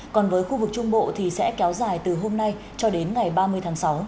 còn với khu vực trung bộ thì sẽ kéo dài từ hôm nay cho đến ngày ba mươi tháng sáu